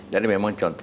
dan memang contoh